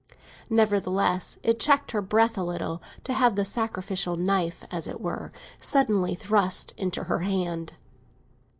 Nevertheless, it checked her breath a little to have the sacrificial knife, as it were, suddenly thrust into her hand.